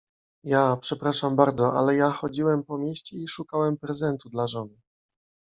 Ja, przepraszam bardzo, ale ja chodziłem po mieście i szukałem prezentu dla żony.